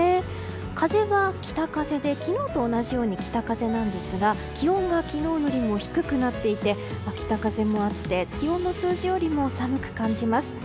風は北風で昨日と同じように北風なんですが気温が昨日よりも低くなっていて北風もあって気温の数字よりも寒く感じます。